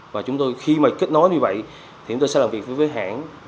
và chúng tôi khi mà kết nối như vậy thì chúng tôi sẽ làm việc với hãng